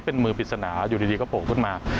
เป็นมือปริศนาอยู่ดีก็โผล่ขึ้นมา